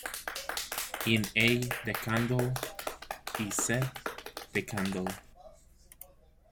In: A. de Candolle y C. de Candolle.